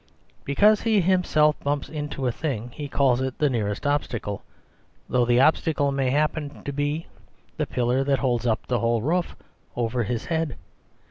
Because he himself bumps into a thing, he calls it the nearest obstacle ; though the obstacle may happen to be the pillar that holds up the whole roof over his head.